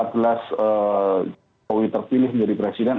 jokowi terpilih menjadi presiden